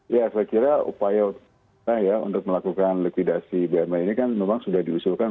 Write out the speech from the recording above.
ya saya kira upaya untuk melakukan likuidasi bumn ini kan memang sudah diusulkan